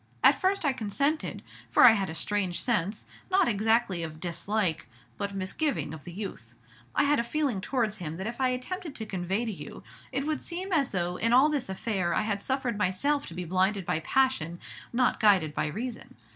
At first I consented, for I had a strange sense, not exactly of dislike, but misgiving, of the youth. I had a feeling towards him that if I attempted to convey to you, it would seem as though in all this affair I had suffered myself to be blinded by passion, not guided by reason.